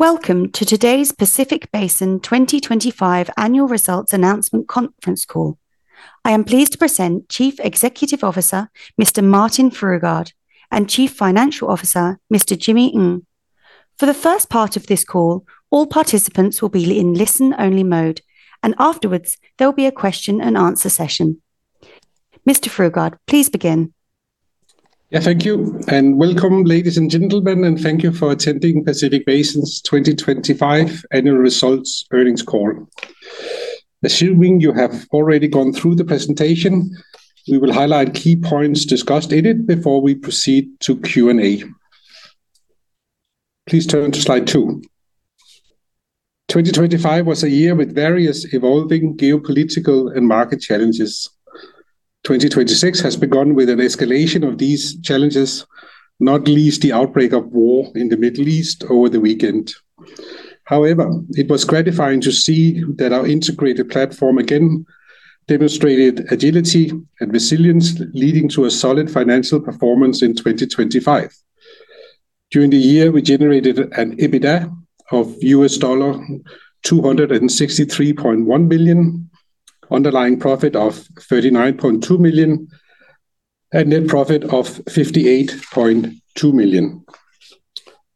Welcome to today's Pacific Basin 2025 annual results announcement conference call. I am pleased to present Chief Executive Officer, Mr. Martin Fruergaard, and Chief Financial Officer, Mr. Jimmy Ng. For the first part of this call, all participants will be in listen-only mode. Afterwards there'll be a question-and-answer session. Mr. Fruergaard, please begin. Thank you. Welcome, ladies and gentlemen, and thank you for attending Pacific Basin's 2025 annual results earnings call. Assuming you have already gone through the presentation, we will highlight key points discussed in it before we proceed to Q&A. Please turn to slide 2. 2025 was a year with various evolving geopolitical and market challenges. 2026 has begun with an escalation of these challenges, not least the outbreak of war in the Middle East over the weekend. It was gratifying to see that our integrated platform again demonstrated agility and resilience, leading to a solid financial performance in 2025. During the year, we generated an EBITDA of $263.1 million, underlying profit of $39.2 million, and net profit of $58.2 million.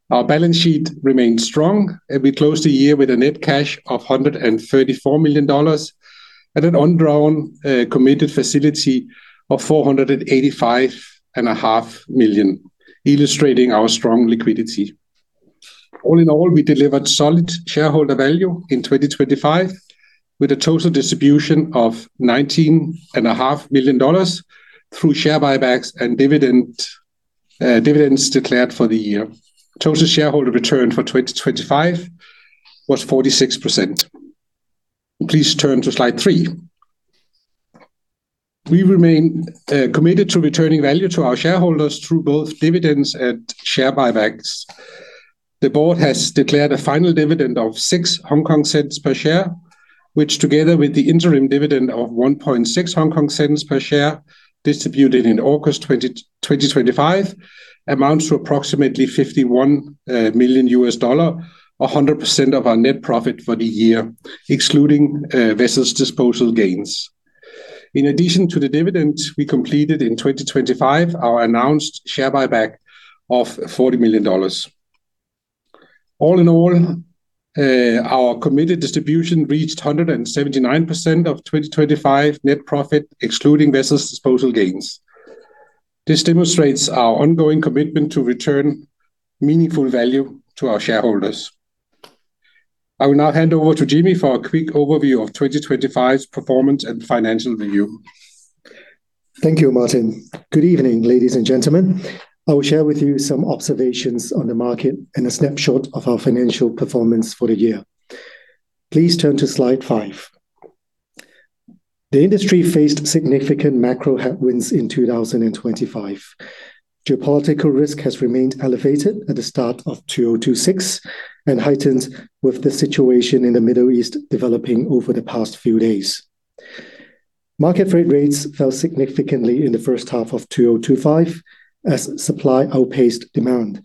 Our balance sheet remained strong. We closed the year with a net cash of $134 million at an undrawn committed facility of $485.5 million, illustrating our strong liquidity. All in all, we delivered solid shareholder value in 2025 with a total distribution of $19.5 million through share buybacks and dividends declared for the year. Total shareholder return for 2025 was 46%. Please turn to slide 3. We remain committed to returning value to our shareholders through both dividends and share buybacks. The board has declared a final dividend of 0.06 per share, which together with the interim dividend of 0.016 per share distributed in August 2025, amounts to approximately $51 million, 100% of our net profit for the year, excluding vessel disposal gains. In addition to the dividends we completed in 2025, our announced share buyback of $40 million. All in all, our committed distribution reached 179% of 2025 net profit, excluding vessel disposal gains. This demonstrates our ongoing commitment to return meaningful value to our shareholders. I will now hand over to Jimmy for a quick overview of 2025's performance and financial review. Thank you, Martin. Good evening, ladies and gentlemen. I will share with you some observations on the market and a snapshot of our financial performance for the year. Please turn to slide 5. The industry faced significant macro headwinds in 2025. Geopolitical risk has remained elevated at the start of 2026 and heightened with the situation in the Middle East developing over the past few days. Market freight rates fell significantly in the first half of 2025 as supply outpaced demand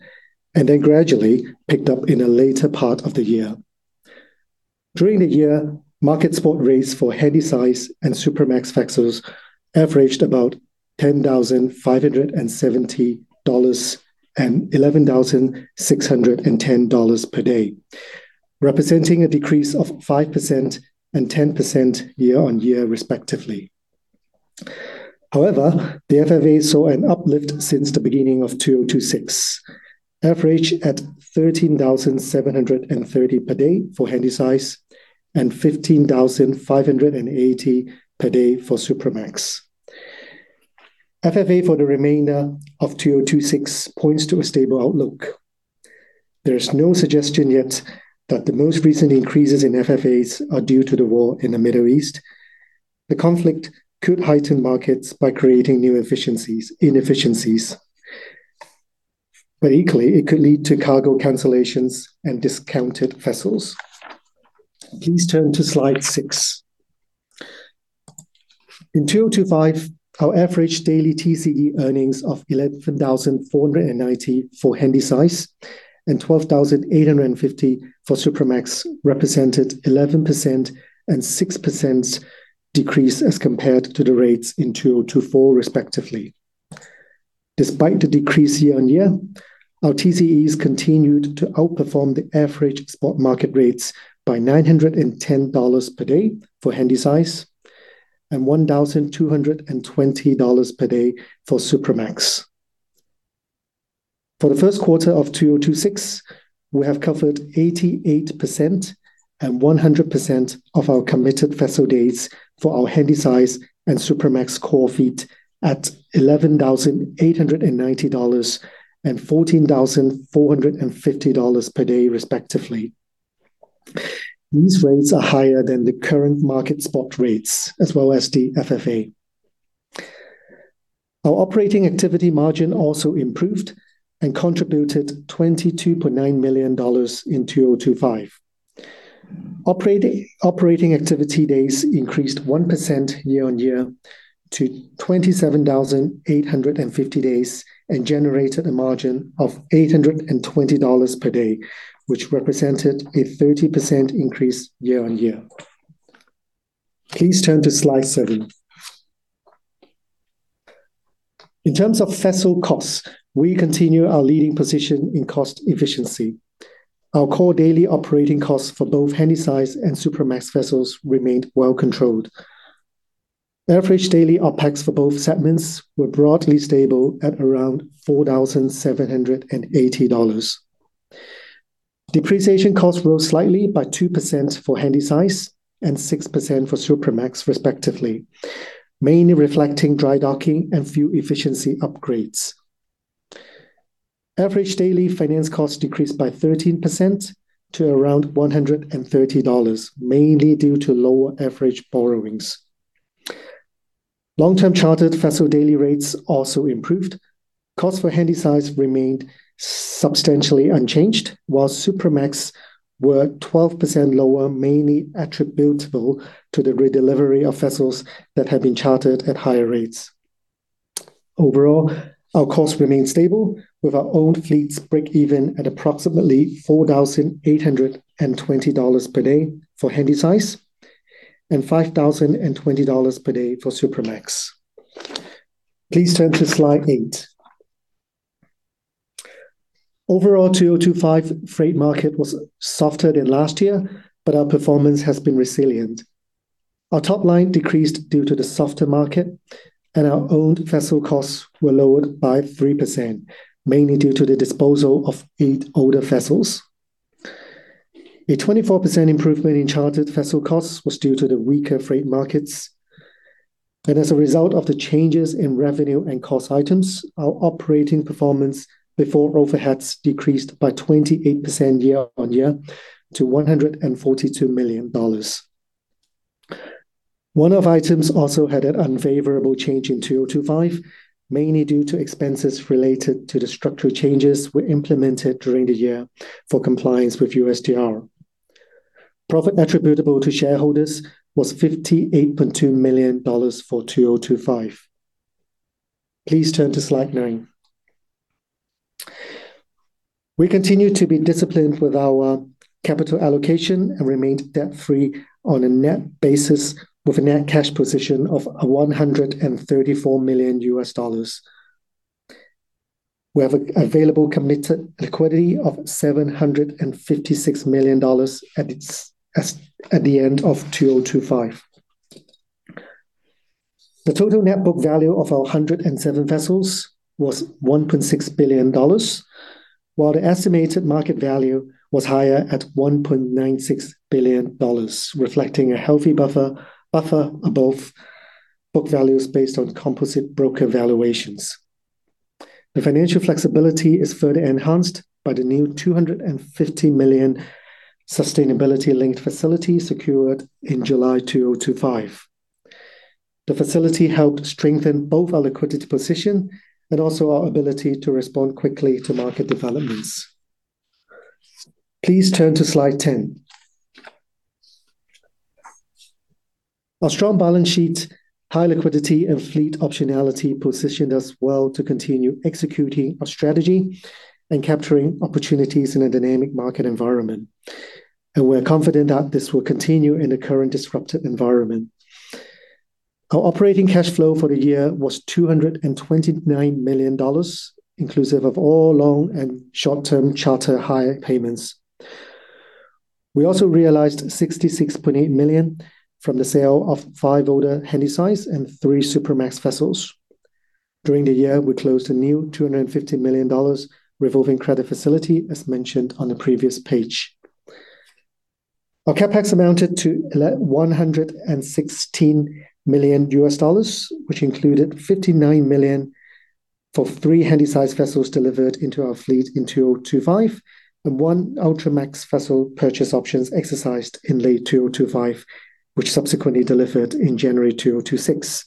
and then gradually picked up in the later part of the year. During the year, market spot rates for Handysize and Supramax vessels averaged about $10,570 and $11,610 per day, representing a decrease of 5% and 10% year-on-year respectively. However, the FFA saw an uplift since the beginning of 2026, averaging at $13,730 per day for Handysize and $15,580 per day for Supramax. FFA for the remainder of 2026 points to a stable outlook. There's no suggestion yet that the most recent increases in FFAs are due to the war in the Middle East. The conflict could heighten markets by creating new inefficiencies, but equally it could lead to cargo cancellations and discounted vessels. Please turn to slide 6. In 2025, our average daily TCE earnings of $11,490 for Handysize and $12,850 for Supramax represented 11% and 6% decrease as compared to the rates in 2024 respectively. Despite the decrease year on year, our TCEs continued to outperform the average spot market rates by $910 per day for Handysize and $1,220 per day for Supramax. For the first quarter of 2026, we have covered 88% and 100% of our committed vessel dates for our Handysize and Supramax core fleet at $11,890 and $14,450 per day respectively. These rates are higher than the current market spot rates as well as the FFA. Our operating activity margin also improved and contributed $22.9 million in 2025. Operating activity days increased 1% year-on-year to 27,850 days and generated a margin of $820 per day, which represented a 30% increase year-on-year. Please turn to slide 7. In terms of vessel costs, we continue our leading position in cost efficiency. Our core daily operating costs for both Handysize and Supramax vessels remained well-controlled. Average daily OpEx for both segments were broadly stable at around $4,780. Depreciation costs rose slightly by 2% for Handysize and 6% for Supramax respectively, mainly reflecting dry docking and few efficiency upgrades. Average daily finance costs decreased by 13% to around $130, mainly due to lower average borrowings. Long-term chartered vessel daily rates also improved. Costs for Handysize remained substantially unchanged, while Supramax were 12% lower, mainly attributable to the redelivery of vessels that had been chartered at higher rates. Overall, our costs remain stable with our owned fleets break even at approximately $4,820 per day for Handysize and $5,020 per day for Supramax. Please turn to slide 8. Overall, 2025 freight market was softer than last year, but our performance has been resilient. Our top line decreased due to the softer market and our owned vessel costs were lowered by 3%, mainly due to the disposal of eight older vessels. A 24% improvement in chartered vessel costs was due to the weaker freight markets. As a result of the changes in revenue and cost items, our operating performance before overheads decreased by 28% year-on-year to $142 million. One-off items also had an unfavorable change in 2025, mainly due to expenses related to the structural changes we implemented during the year for compliance with USTR. Profit attributable to shareholders was $58.2 million for 2025. Please turn to slide 9. We continue to be disciplined with our capital allocation and remained debt-free on a net basis with a net cash position of $134 million. We have available committed liquidity of $756 million at the end of 2025. The total net book value of our 107 vessels was $1.6 billion, while the estimated market value was higher at $1.96 billion, reflecting a healthy buffer above book values based on composite broker valuations. The financial flexibility is further enhanced by the new $250 million sustainability-linked facility secured in July 2025. The facility helped strengthen both our liquidity position and also our ability to respond quickly to market developments. Please turn to slide 10. Our strong balance sheet, high liquidity, and fleet optionality positioned us well to continue executing our strategy and capturing opportunities in a dynamic market environment. We're confident that this will continue in the current disruptive environment. Our operating cash flow for the year was $229 million, inclusive of all long and short-term charter hire payments. We also realized $66.8 million from the sale of 5 older Handysize and 3 Supramax vessels. During the year, we closed a new $250 million revolving credit facility, as mentioned on the previous page. Our CapEx amounted to $116 million, which included $59 million for 3 Handysize vessels delivered into our fleet in 2025 and 1 Ultramax vessel purchase options exercised in late 2025, which subsequently delivered in January 2026,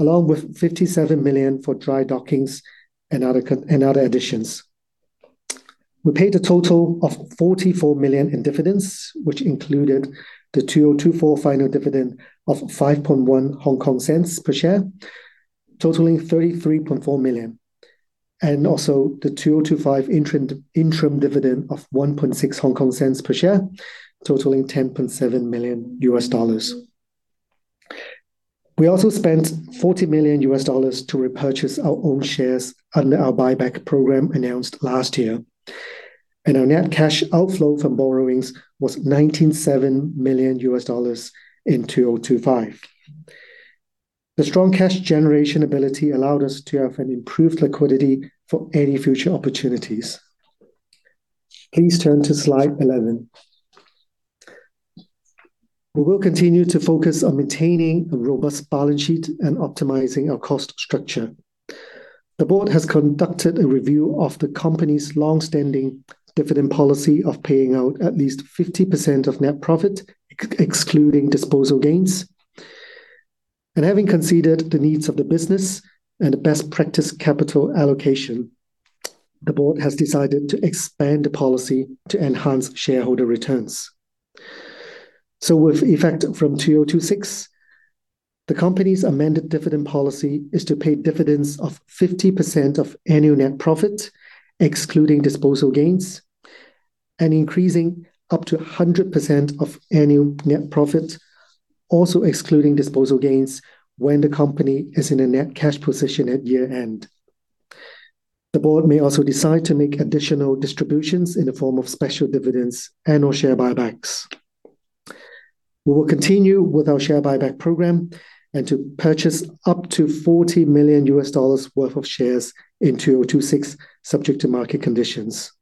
along with $57 million for dry dockings and other and other additions. We paid a total of $44 million in dividends, which included the 2024 final dividend of 0.051 per share, totaling $33.4 million, and also the 2025 interim dividend of 0.016 per share, totaling $10.7 million. We also spent $40 million to repurchase our own shares under our buyback program announced last year. Our net cash outflow from borrowings was $97 million in 2025. The strong cash generation ability allowed us to have an improved liquidity for any future opportunities. Please turn to slide 11. We will continue to focus on maintaining a robust balance sheet and optimizing our cost structure. The board has conducted a review of the company's long-standing dividend policy of paying out at least 50% of net profit, excluding disposal gains. Having considered the needs of the business and the best practice capital allocation, the board has decided to expand the policy to enhance shareholder returns. With effect from 2026, the company's amended dividend policy is to pay dividends of 50% of annual net profit, excluding disposal gains, and increasing up to 100% of annual net profit, also excluding disposal gains when the company is in a net cash position at year-end. The board may also decide to make additional distributions in the form of special dividends and/or share buybacks. We will continue with our share buyback program and to purchase up to $40 million worth of shares in 2026, subject to market conditions.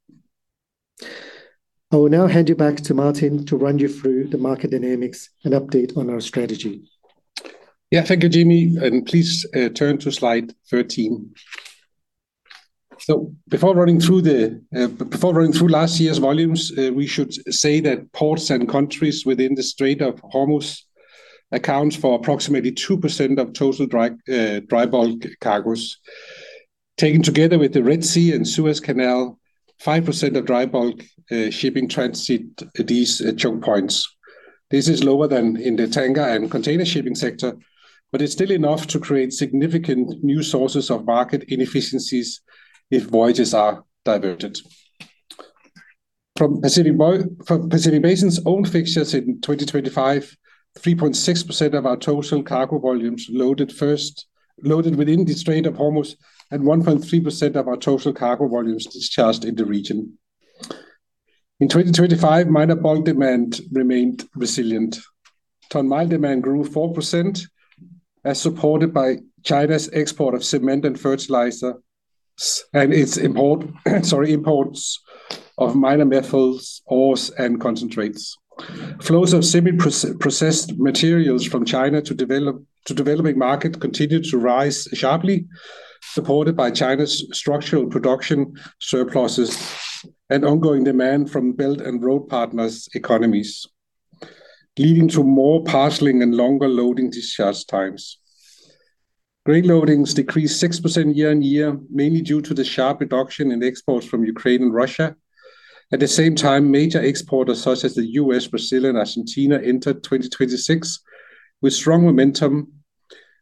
I will now hand you back to Martin to run you through the market dynamics and update on our strategy. Thank you, Jimmy, please turn to slide 13. Before running through last year's volumes, we should say that ports and countries within the Strait of Hormuz account for approximately 2% of total dry bulk cargos. Taken together with the Red Sea and Suez Canal, 5% of dry bulk shipping transit these choke points. This is lower than in the tanker and container shipping sector, but it's still enough to create significant new sources of market inefficiencies if voyages are diverted. From Pacific Basin's own fixtures in 2025, 3.6% of our total cargo volumes loaded first, loaded within the Strait of Hormuz, and 1.3% of our total cargo volumes discharged in the region. In 2025, minor bulk demand remained resilient. Ton-mile demand grew 4%, as supported by China's export of cement and fertilizer and its import, sorry, imports of minor metals, ores, and concentrates. Flows of processed materials from China to develop, to developing market continued to rise sharply, supported by China's structural production surpluses and ongoing demand from Belt and Road Partners economies, leading to more parceling and longer loading discharge times. Grain loadings decreased 6% year-on-year, mainly due to the sharp reduction in exports from Ukraine and Russia. Major exporters such as the U.S., Brazil, and Argentina entered 2026 with strong momentum,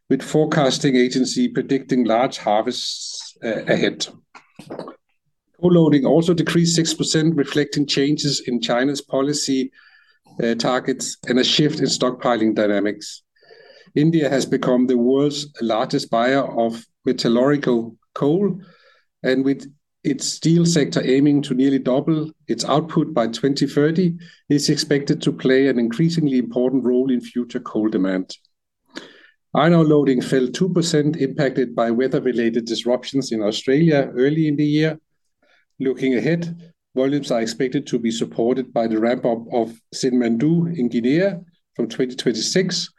with forecasting agency predicting large harvests ahead. Coal loading also decreased 6%, reflecting changes in China's policy targets and a shift in stockpiling dynamics. India has become the world's largest buyer of metallurgical coal, and with its steel sector aiming to nearly double its output by 2030, is expected to play an increasingly important role in future coal demand. Iron ore loading fell 2% impacted by weather-related disruptions in Australia early in the year. Looking ahead, volumes are expected to be supported by the ramp-up of Simandou in Guinea from 2026,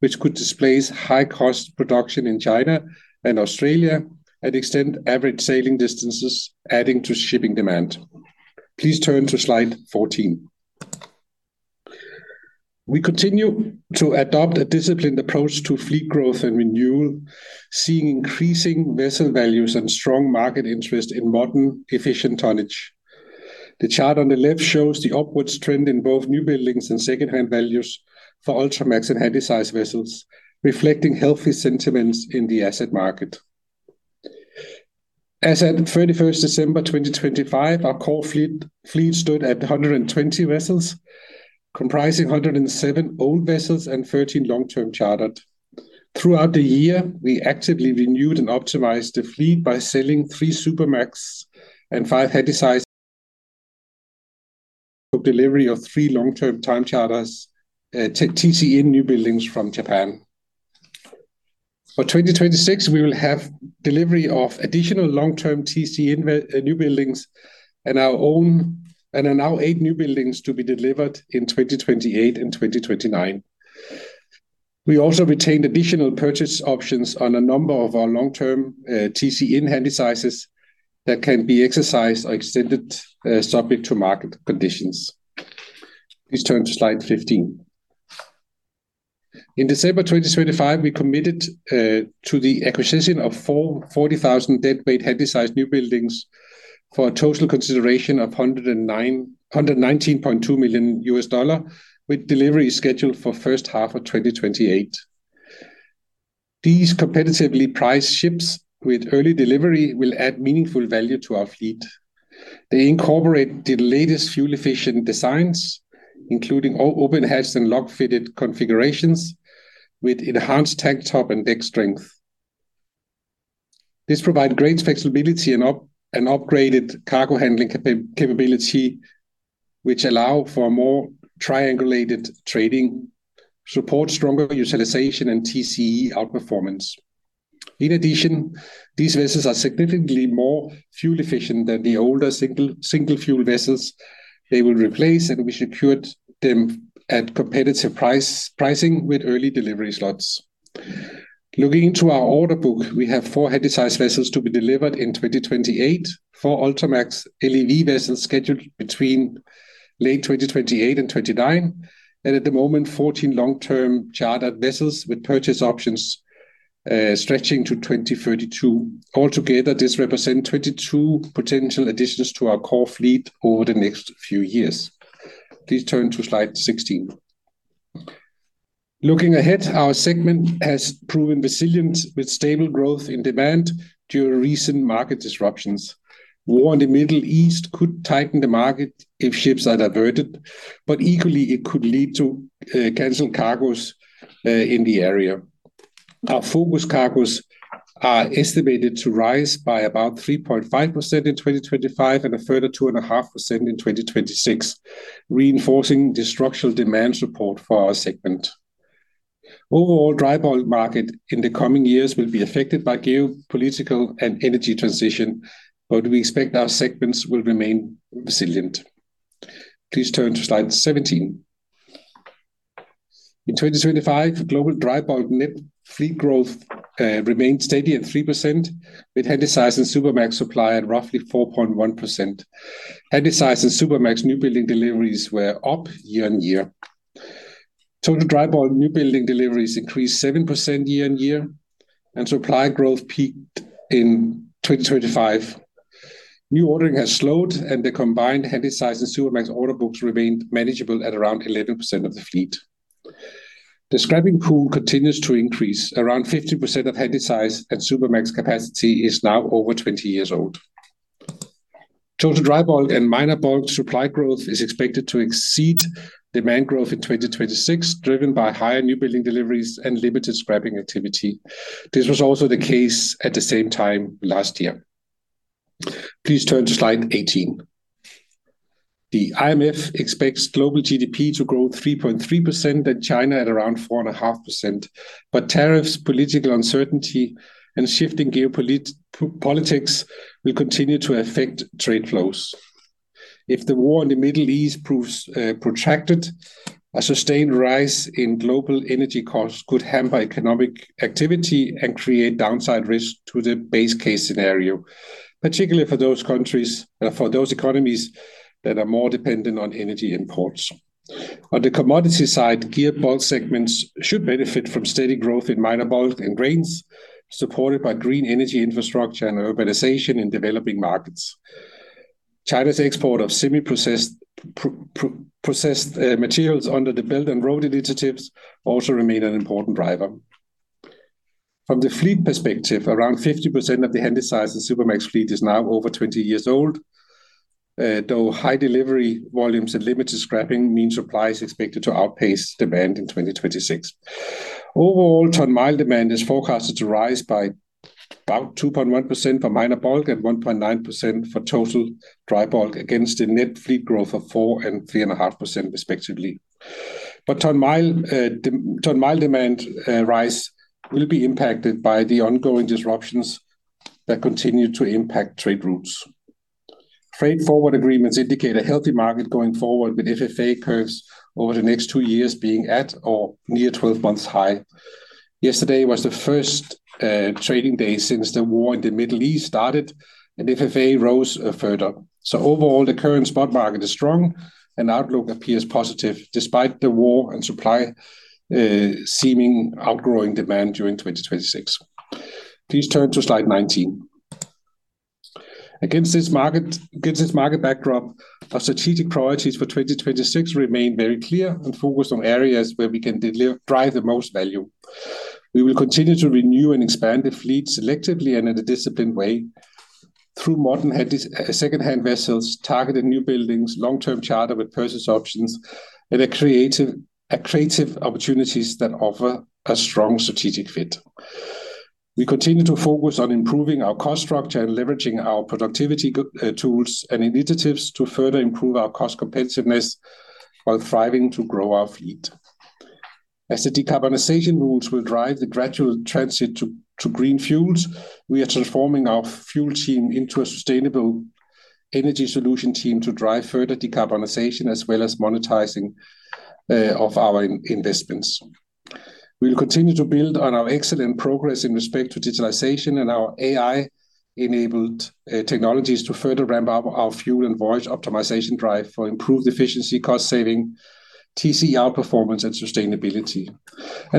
which could displace high cost production in China and Australia and extend average sailing distances, adding to shipping demand. Please turn to slide 14. We continue to adopt a disciplined approach to fleet growth and renewal, seeing increasing vessel values and strong market interest in modern, efficient tonnage. The chart on the left shows the upwards trend in both newbuildings and second-hand values for Ultramax and Handysize vessels, reflecting healthy sentiments in the asset market. As at 31st December 2025, our core fleet stood at 120 vessels, comprising 107 owned vessels and 13 long-term chartered. Throughout the year, we actively renewed and optimized the fleet by selling three Supramax and five Handysize for delivery of three long-term time charters, T/C newbuildings from Japan. For 2026, we will have delivery of additional long-term T/C newbuildings and are now eight newbuildings to be delivered in 2028 and 2029. We also retained additional purchase options on a number of our long-term TCN Handysizes that can be exercised or extended, subject to market conditions. Please turn to slide 15. In December 2025, we committed to the acquisition of four 40,000-deadweight Handysize newbuildings for a total consideration of $119.2 million, with delivery scheduled for first half of 2028. These competitively priced ships with early delivery will add meaningful value to our fleet. They incorporate the latest fuel-efficient designs, including open hatch and log-fitted configurations with enhanced tank top and deck strength. This provides great flexibility and upgraded cargo handling capability which allows for more triangulated trading, support stronger utilization, and TCE outperformance. In addition, these vessels are significantly more fuel efficient than the older single fuel vessels they will replace. We secured them at competitive pricing with early delivery slots. Looking into our order book, we have four Handysize vessels to be delivered in 2028, four Ultramax LEV vessels scheduled between late 2028 and 2029, and at the moment, 14 long-term chartered vessels with purchase options stretching to 2032. Altogether, this represent 22 potential additions to our core fleet over the next few years. Please turn to slide 16. Looking ahead, our segment has proven resilient with stable growth in demand due to recent market disruptions. War in the Middle East could tighten the market if ships are diverted, but equally, it could lead to canceled cargoes in the area. Our focus cargoes are estimated to rise by about 3.5% in 2025 and a further 2.5% in 2026, reinforcing the structural demand support for our segment. Dry bulk market in the coming years will be affected by geopolitical and energy transition, but we expect our segments will remain resilient. Please turn to slide 17. In 2025, global dry bulk net fleet growth remained steady at 3%, with Handysize and Supramax supply at roughly 4.1%. Handysize and Supramax new building deliveries were up year-over-year. Total dry bulk new building deliveries increased 7% year-over-year, supply growth peaked in 2025. New ordering has slowed, the combined Handysize and Supramax order books remained manageable at around 11% of the fleet. The scrapping pool continues to increase. Around 50% of Handysize and Supramax capacity is now over 20 years old. Total dry bulk and minor bulk supply growth is expected to exceed demand growth in 2026, driven by higher new building deliveries and limited scrapping activity. This was also the case at the same time last year. Please turn to slide 18. The IMF expects global GDP to grow 3.3% and China at around 4.5%, but tariffs, political uncertainty, and shifting geopolitics will continue to affect trade flows. If the war in the Middle East proves protracted, a sustained rise in global energy costs could hamper economic activity and create downside risk to the base case scenario, particularly for those economies that are more dependent on energy imports. On the commodity side, geared bulk segments should benefit from steady growth in minor bulk and grains, supported by green energy infrastructure and urbanization in developing markets. China's export of semi-processed, processed materials under the Belt and Road Initiative also remain an important driver. From the fleet perspective, around 50% of the Handysize and Supramax fleet is now over 20 years old. Though high delivery volumes and limited scrapping means supply is expected to outpace demand in 2026. Overall, ton-mile demand is forecasted to rise by about 2.1% for minor bulk and 1.9% for total dry bulk, against a net fleet growth of 4% and 3.5% respectively. Ton-mile demand rise will be impacted by the ongoing disruptions that continue to impact trade routes. Freight forward agreements indicate a healthy market going forward, with FFA curves over the next two years being at or near 12-months high. Yesterday was the first trading day since the war in the Middle East started. FFA rose further. Overall, the current spot market is strong and outlook appears positive despite the war and supply seeming outgrowing demand during 2026. Please turn to slide 19. Against this market backdrop, our strategic priorities for 2026 remain very clear and focused on areas where we can drive the most value. We will continue to renew and expand the fleet selectively and in a disciplined way through modern second-hand vessels, targeted newbuildings, long-term charter with purchase options, and a creative opportunities that offer a strong strategic fit. We continue to focus on improving our cost structure and leveraging our productivity tools and initiatives to further improve our cost competitiveness while thriving to grow our fleet. As the decarbonization rules will drive the gradual transit to green fuels, we are transforming our fuel team into a sustainable energy solution team to drive further decarbonization, as well as monetizing of our investments. We'll continue to build on our excellent progress in respect to digitalization and our AI-enabled technologies to further ramp up our fuel and voyage optimization drive for improved efficiency, cost saving, TCE performance and sustainability.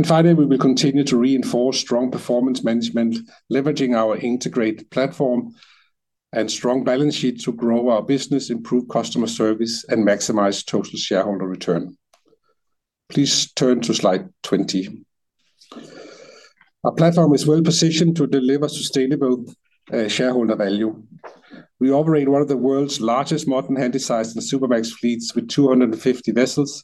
Finally, we will continue to reinforce strong performance management, leveraging our integrated platform and strong balance sheet to grow our business, improve customer service, and maximize total shareholder return. Please turn to slide 20. Our platform is well positioned to deliver sustainable shareholder value. We operate one of the world's largest modern Handysize and Supramax fleets with 250 vessels,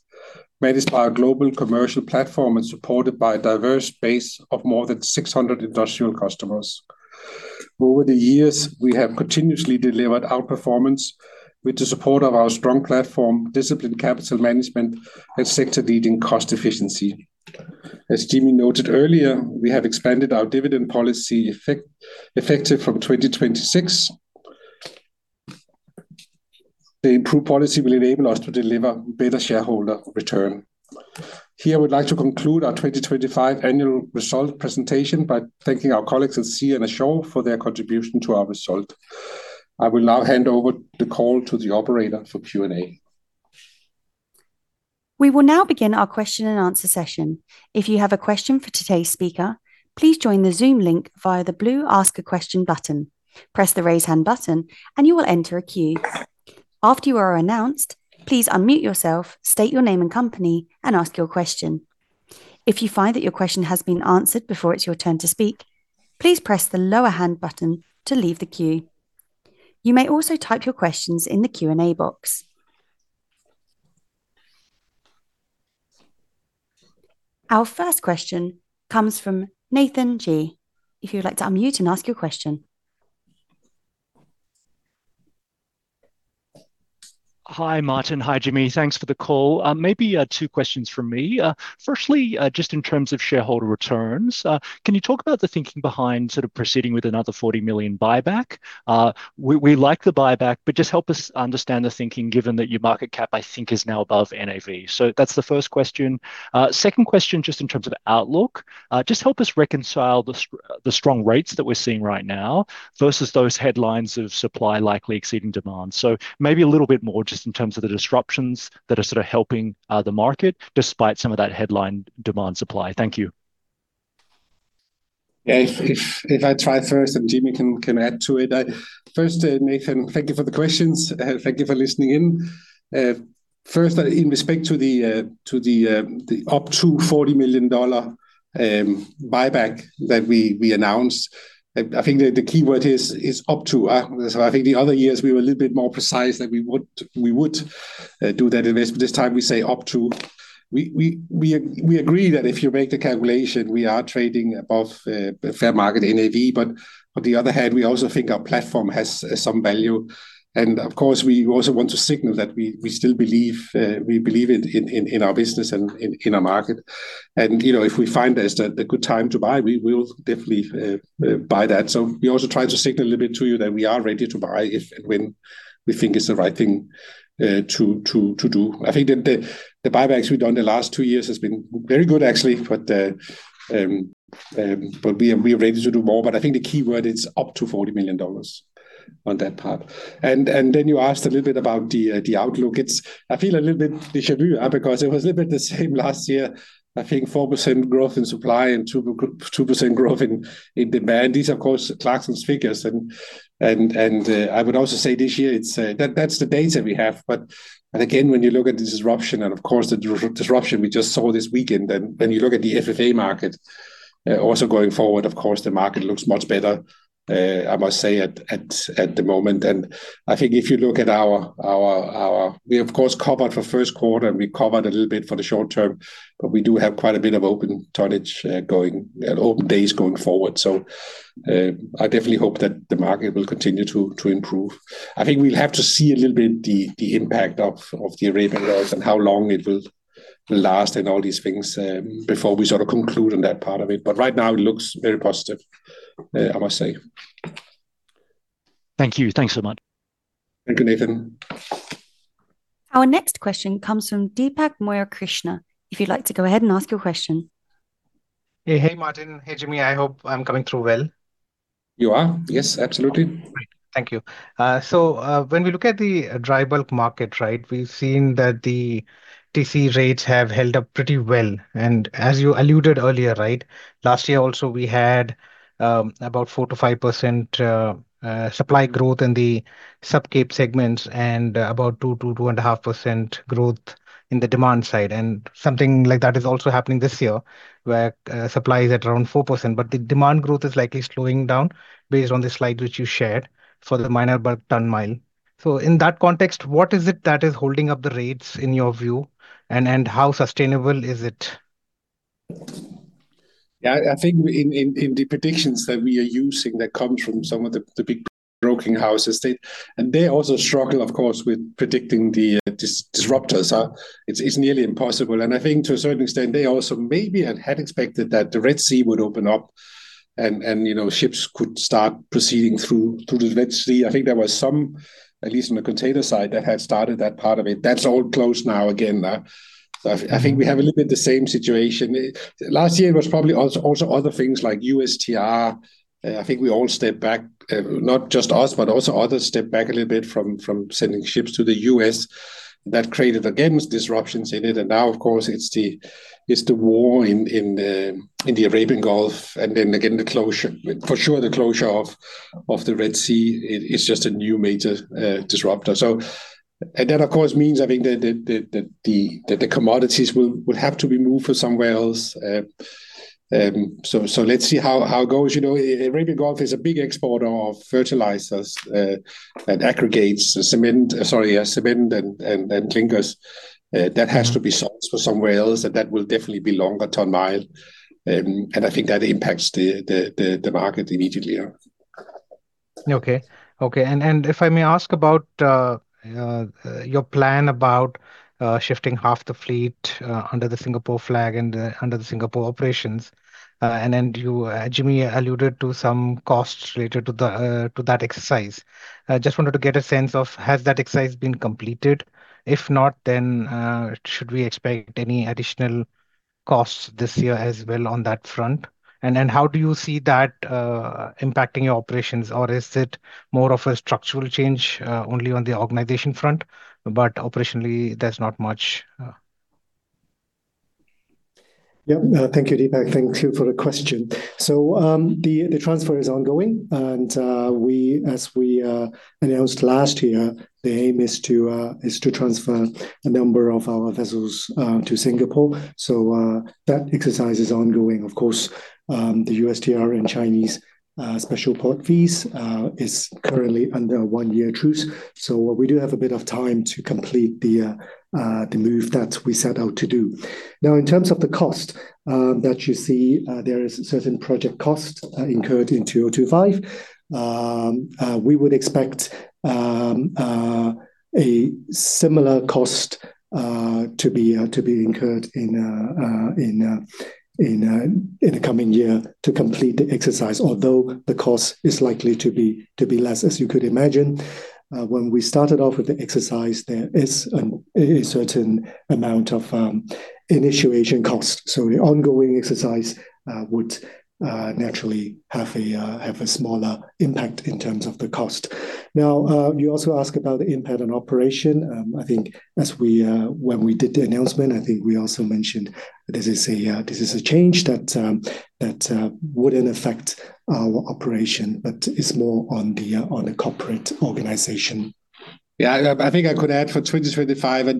managed by our global commercial platform and supported by a diverse base of more than 600 industrial customers. Over the years, we have continuously delivered outperformance with the support of our strong platform, disciplined capital management, and sector-leading cost efficiency. As Jimmy noted earlier, we have expanded our dividend policy effective from 2026. The improved policy will enable us to deliver better shareholder return. Here, we'd like to conclude our 2025 annual result presentation by thanking our colleagues at sea and ashore for their contribution to our result. I will now hand over the call to the operator for Q&A. We will now begin our question and answer session. If you have a question for today's speaker, please join the Zoom link via the blue Ask a Question button. Press the raise hand button, and you will enter a queue. After you are announced, please unmute yourself, state your name and company, and ask your question. If you find that your question has been answered before it's your turn to speak, please press the lower hand button to leave the queue. You may also type your questions in the Q&A box. Our first question comes from Nathan Gee. If you'd like to unmute and ask your question. Hi, Martin. Hi, Jimmy. Thanks for the call. Maybe two questions from me. Firstly, just in terms of shareholder returns, can you talk about the thinking behind sort of proceeding with another $40 million buyback? We like the buyback, but just help us understand the thinking given that your market cap, I think, is now above NAV. That's the first question. Second question just in terms of outlook. Just help us reconcile the strong rates that we're seeing right now versus those headlines of supply likely exceeding demand. Maybe a little bit more just in terms of the disruptions that are sort of helping the market despite some of that headline demand supply. Thank you. If I try first and Jimmy can add to it. First, Nathan, thank you for the questions and thank you for listening in. First, in respect to the up to $40 million buyback that we announced, I think the key word here is up to. I think the other years we were a little bit more precise that we would do that invest, but this time we say up to. We agree that if you make the calculation, we are trading above fair market NAV. On the other hand, we also think our platform has some value. Of course, we also want to signal that we still believe in our business and in our market. You know, if we find there's a good time to buy, we'll definitely buy that. We're also trying to signal a little bit to you that we are ready to buy if and when we think it's the right thing to do. I think that the buybacks we've done the last two years has been very good actually, but we are ready to do more. I think the key word is up to $40 million on that part. Then you asked a little bit about the outlook. I feel a little bit deja vu because it was a little bit the same last year. I think 4% growth in supply and 2% growth in demand. These, of course, are Clarksons figures. I would also say this year it's that's the data we have. Again, when you look at the disruption and of course the disruption we just saw this weekend, then you look at the FFA market also going forward, of course, the market looks much better, I must say at the moment. I think if you look at our... We of course covered for first quarter and we covered a little bit for the short term, but we do have quite a bit of open tonnage going open days going forward. I definitely hope that the market will continue to improve. I think we'll have to see a little bit the impact of the Arabian Gulf and how long it will last and all these things, before we sort of conclude on that part of it. Right now it looks very positive, I must say. Thank you. Thanks so much. Thank you, Nathan. Our next question comes from Deepak Kumar Sharma. If you'd like to go ahead and ask your question. Yeah. Hey, Martin. Hey, Jimmy. I hope I'm coming through well. You are. Yes, absolutely. Great. Thank you. When we look at the dry bulk market, right? We've seen that the TCE rates have held up pretty well. As you alluded earlier, right? Last year also we had 4%-5% supply growth in the Sub-Capesize segments and 2%-2.5% growth in the demand side. Something like that is also happening this year, where supply is at around 4%, but the demand growth is likely slowing down based on the slide which you shared for the minor bulk ton-mile. In that context, what is it that is holding up the rates in your view and how sustainable is it? Yeah. I think in the predictions that we are using that comes from some of the big broking houses, they. They also struggle of course with predicting the disruptors. It's nearly impossible. I think to a certain extent, they also maybe had expected that the Red Sea would open up and, you know, ships could start proceeding through the Red Sea. I think there were some, at least on the container side, that had started that part of it. That's all closed now again. I think we have a little bit the same situation. Last year it was probably also other things like USTR. I think we all stepped back, not just us, but also others stepped back a little bit from sending ships to the U.S. That created again disruptions in it. Now of course it's the war in the Arabian Gulf, and then again the closure. For sure, the closure of the Red Sea is just a new major disruptor. That of course means, I think that the commodities will have to be moved for somewhere else. Let's see how it goes. You know, Arabian Gulf is a big exporter of fertilizers, and aggregates, cement, sorry, cement and clinkers, that has to be sourced for somewhere else, and that will definitely be longer ton-mile. I think that impacts the market immediately, yeah. Okay. Okay. If I may ask about your plan about shifting half the fleet under the Singapore flag and under the Singapore operations. You, Jimmy alluded to some costs related to the to that exercise. I just wanted to get a sense of, has that exercise been completed? If not, then, should we expect any additional costs this year as well on that front. How do you see that, impacting your operations, or is it more of a structural change, only on the organization front, but operationally there's not much. Yeah. Thank you, Deepak. Thank you for the question. The transfer is ongoing as we announced last year, the aim is to transfer a number of our vessels to Singapore. That exercise is ongoing. Of course, the USTR and Chinese special port fees is currently under one-year truce, we do have a bit of time to complete the move that we set out to do. Now, in terms of the cost that you see, there is certain project costs incurred in 2025. We would expect a similar cost to be incurred in the coming year to complete the exercise, although the cost is likely to be less as you could imagine. When we started off with the exercise, there is a certain amount of initiation cost. The ongoing exercise would naturally have a smaller impact in terms of the cost. Now, you also ask about the impact on operation. I think as we when we did the announcement, I think we also mentioned this is a change that wouldn't affect our operation, but is more on the corporate organization. Yeah. I think I could add for 2025.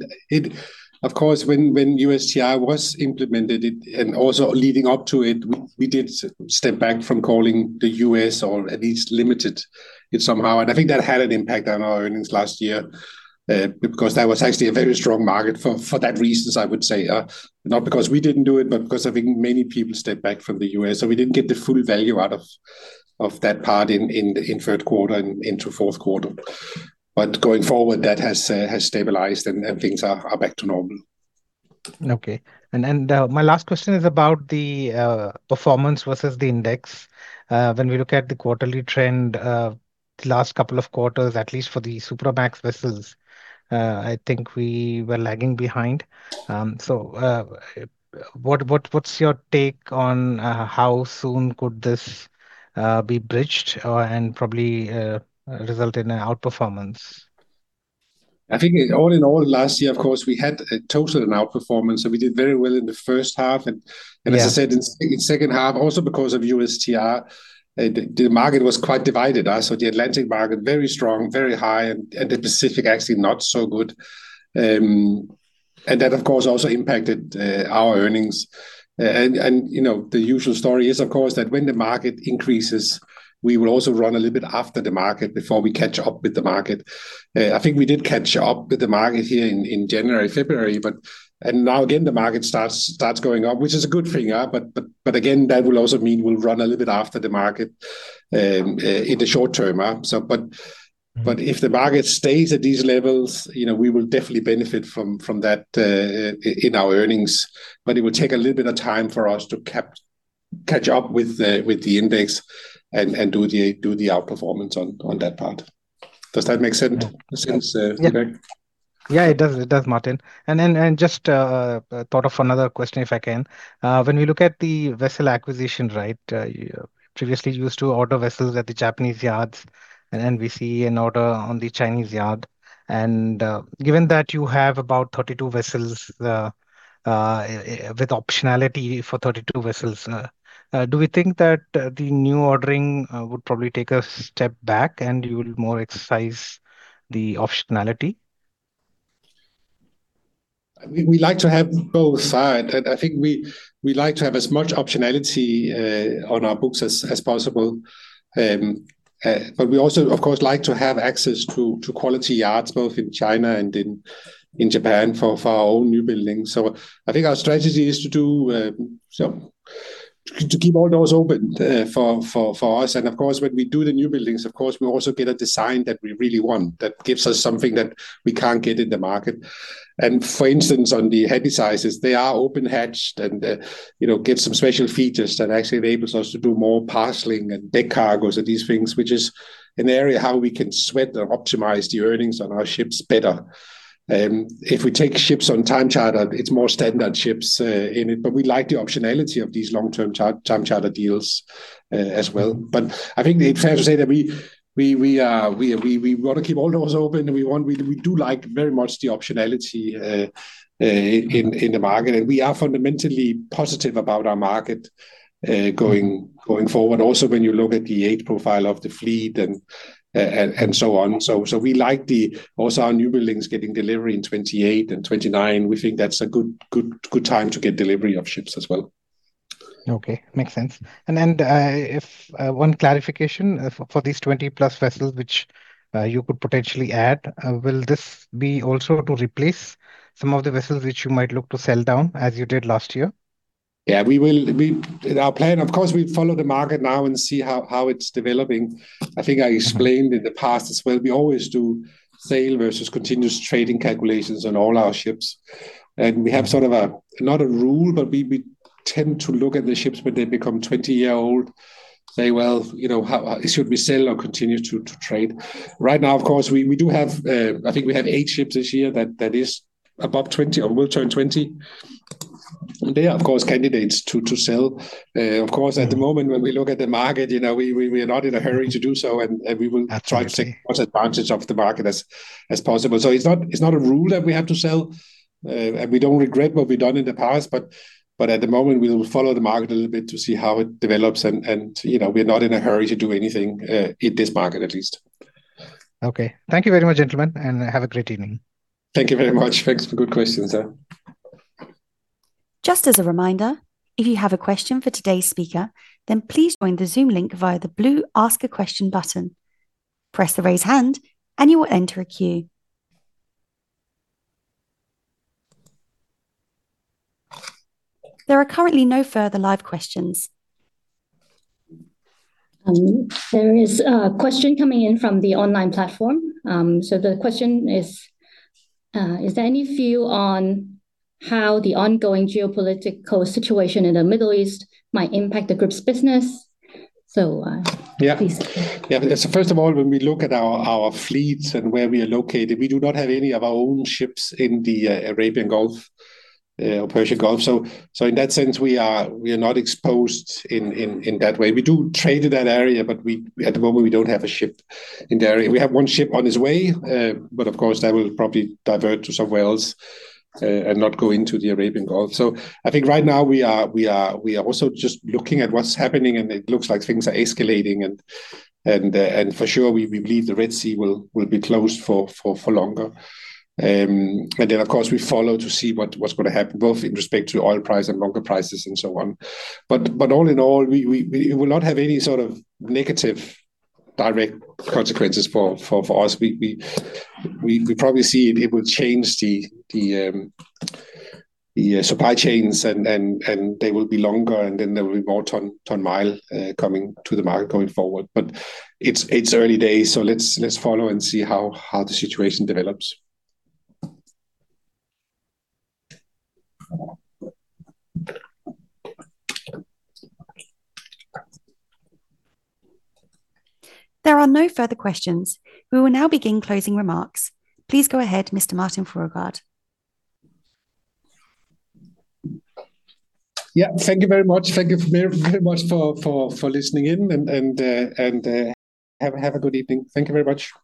Of course, when USTR was implemented, and also leading up to it, we did step back from calling the U.S. or at least limit it somehow. I think that had an impact on our earnings last year because that was actually a very strong market. For that reasons, I would say, not because we didn't do it, but because I think many people stepped back from the U.S. We didn't get the full value out of that part in the third quarter and into fourth quarter. Going forward, that has stabilized and things are back to normal. Okay. My last question is about the performance versus the index. When we look at the quarterly trend, the last couple of quarters, at least for the Supramax vessels, I think we were lagging behind. What's your take on how soon could this be bridged and probably result in an outperformance? I think all in all last year, of course, we had a total an outperformance, so we did very well in the first half and, as I said, in second half, also because of USTR, the market was quite divided. The Atlantic market, very strong, very high, and the Pacific actually not so good. That of course also impacted our earnings. You know, the usual story is, of course, that when the market increases, we will also run a little bit after the market before we catch up with the market. I think we did catch up with the market here in January, February, now again the market starts going up, which is a good thing. Again, that will also mean we'll run a little bit after the market in the short term. If the market stays at these levels, you know, we will definitely benefit from that, in our earnings. It would take a little bit of time for us to catch up with the index and do the outperformance on that part. Does that make sense, since, Deepak? Yeah, it does. It does, Martin. Just thought of another question, if I can. When we look at the vessel acquisition rate, you previously used to order vessels at the Japanese yards, and then we see an order on the Chinese yard. Given that you have about 32 vessels, with optionality for 32 vessels, do we think that the new ordering would probably take a step back and you will more exercise the optionality? We like to have both sides. I think we like to have as much optionality on our books as possible. We also of course like to have access to quality yards both in China and in Japan for our own newbuildings. I think our strategy is to keep all doors open for us. Of course, when we do the newbuildings, of course we also get a design that we really want, that gives us something that we can't get in the market. For instance, on the Handysizes, they are open hatch and, you know, get some special features that actually enables us to do more parceling and deck cargos and these things, which is an area how we can sweat or optimize the earnings on our ships better. If we take ships on time charter, it's more standard ships in it, but we like the optionality of these long-term time charter deals as well. I think it's fair to say that we wanna keep all doors open and we do like very much the optionality in the market. We are fundamentally positive about our market going forward. Also when you look at the age profile of the fleet and so on. So we like the also our newbuildings getting delivery in 2028 and 2029. We think that's a good time to get delivery of ships as well. Okay. Makes sense. If one clarification for these 20 plus vessels which you could potentially add, will this be also to replace some of the vessels which you might look to sell down as you did last year? Yeah. We will. Our plan, of course, we follow the market now and see how it's developing. I think I explained in the past as well, we always do sail versus continuous trading calculations on all our ships. We have sort of a, not a rule, but we tend to look at the ships when they become 20 year old. Well, you know, how should we sell or continue to trade? Right now, of course, we do have. I think we have eight ships this year that is above 20 or will turn 20. They are, of course, candidates to sell. Of course, at the moment when we look at the market, you know, we are not in a hurry to do so, and we will. Absolutely. Try to take much advantage of the market as possible. It's not, it's not a rule that we have to sell. We don't regret what we've done in the past, but at the moment, we will follow the market a little bit to see how it develops and, you know, we're not in a hurry to do anything, in this market at least. Thank you very much, gentlemen, and have a great evening. Thank you very much. Thanks for good questions there. Just as a reminder, if you have a question for today's speaker, then please join the Zoom link via the blue Ask a Question button. Press the Raise Hand and you will enter a queue. There are currently no further live questions. There is a question coming in from the online platform. The question is there any view on how the ongoing geopolitical situation in the Middle East might impact the group's business? Please. First of all, when we look at our fleets and where we are located, we do not have any of our own ships in the Arabian Gulf or Persian Gulf. In that sense, we are not exposed in that way. We do trade in that area, but at the moment, we don't have a ship in the area. We have one ship on its way, but of course, that will probably divert to somewhere else and not go into the Arabian Gulf. I think right now we are also just looking at what's happening, and it looks like things are escalating and for sure, we believe the Red Sea will be closed for longer. Of course, we follow to see what's gonna happen, both in respect to oil price and bunker prices and so on. All in all, it will not have any sort of negative direct consequences for us. We probably see it will change the supply chains and they will be longer, there will be more ton-mile coming to the market going forward. It's early days, let's follow and see how the situation develops. There are no further questions. We will now begin closing remarks. Please go ahead, Mr. Martin Fruergaard. Yeah. Thank you very much. Thank you very much for listening in and have a good evening. Thank you very much.